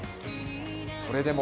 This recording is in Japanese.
それでも